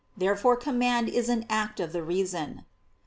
Therefore command is an act of the reason.